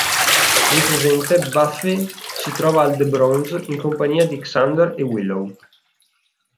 Nel presente, Buffy si trova al The Bronze in compagnia di Xander e Willow.